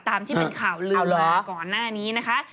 ตามที่เป็นข่าวลือมาก่อนหน้านี้นะคะ